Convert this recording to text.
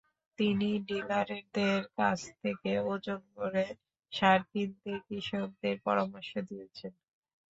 তিনি ডিলারদের কাছ থেকে ওজন করে সার কিনতে কৃষকদের পরামর্শ দিয়েছেন।